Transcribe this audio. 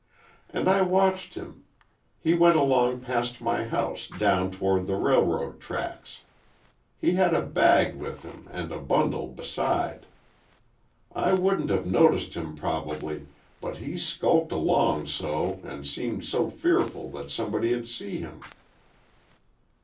And I watched him, he went along past my house down toward the railroad tracks. He had a bag with him, and a bundle beside. I wouldn't have noticed him probably, but he skulked along so and seemed so fearful that somebody'd see him."